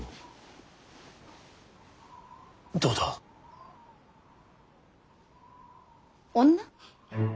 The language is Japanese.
どうだ？女？